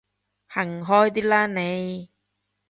行開啲啦你